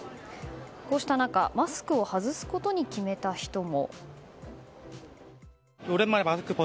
こうした中マスクを外すことに決めた人も。